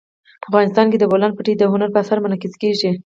افغانستان کې د بولان پټي د هنر په اثار کې منعکس کېږي.